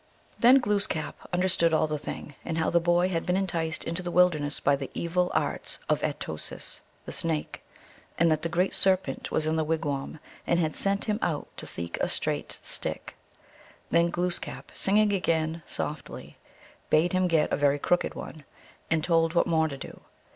Then Glooskap understood all the thing, and how the boy had been enticed into the wilderness by the evil arts of At o sis, the Snake, and that the Great Serpent was in the wigwam, and had sent him out to seek a straight stick. Then Glooskap, singing again softly, bade him get a very crooked one, and told what more to do.